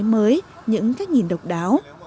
những góc máy mới những cách nhìn độc đáo